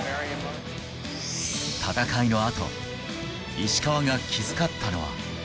戦いのあと、石川が気遣ったのは。